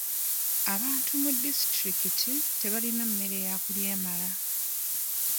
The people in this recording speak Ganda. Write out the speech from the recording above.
Abantu mu disitulikiti tebalina mmere ya kulya emala.